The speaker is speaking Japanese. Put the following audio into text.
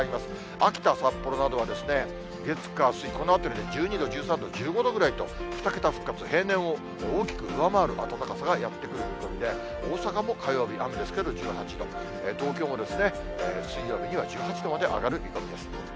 秋田、札幌などは月、火、水、このあたりで１２度、１３度、１５度ぐらいと２桁復活、平年を大きく上回る暖かさがやってくる見込みで、大阪も火曜日、雨ですけど１８度、東京も水曜日には１８度まで上がる見込みです。